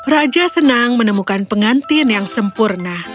raja senang menemukan pengantin yang sempurna